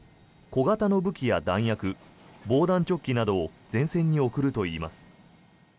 小型の武器や弾薬防弾チョッキなどを前線に送るといいます。